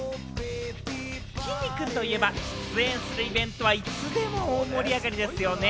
きんに君といえば、出演するイベントは、いつでも大盛り上がりですよね。